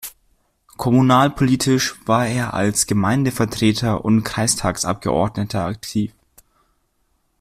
Kommunalpolitisch war er als Gemeindevertreter und Kreistagsabgeordneter aktiv.